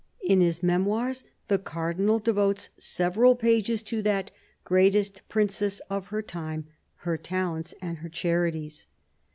In his memoirs the Cardinal devotes several pages to that " greatest princess of her time," her talents and her charities.